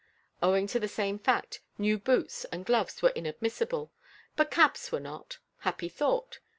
Owing to the same fact, new boots and gloves were inadmissible; but caps were not happy thought!